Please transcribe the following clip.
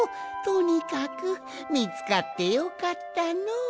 とにかくみつかってよかったのう。